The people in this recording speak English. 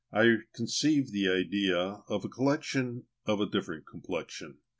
I conceived the idea of a collection of a different complexion.